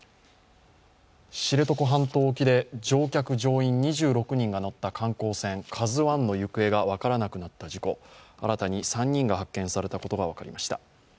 知床半島沖で乗客・乗員２６人が乗った観光船「ＫＡＺＵⅠ」の行方が分からなくなった事故新たに３人が発見されたことが分かりました。